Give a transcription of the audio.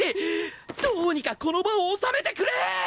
どうにかこの場を収めてくれ！